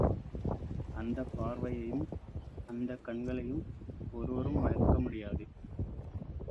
அந்தப் பார்வையையும், அந்தக் கண்களையும் ஒருவரும் மறக்க முடியாது.